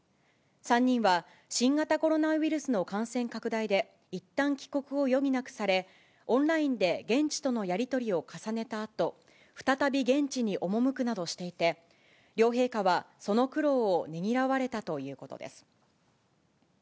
３人は、新型コロナウイルスの感染拡大で、いったん帰国を余儀なくされ、オンラインで現地とのやり取りを重ねたあと、再び現地に赴くなどしていて、両陛下はその苦労をねぎらわれたということです。